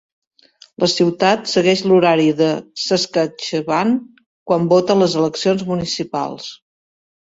La ciutat segueix l'horari de Saskatchewan quan vota a les eleccions municipals.